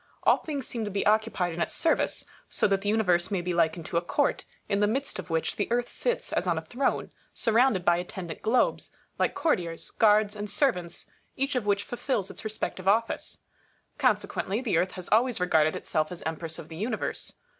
All things seem to be occupied in its service ; so that the Universe may be likened to a court, in the midst of which the Earth sits as on a throne, surrounded by attendant globes, like courtiers, guards, and servants, each of which fulfils its respective office. Consequently, the Earth has always regarded itself as Empress of the Universe.